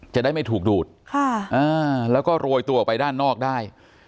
จะได้ไม่ถูกดูดแล้วก็โรยตัวออกไปด้านนอกได้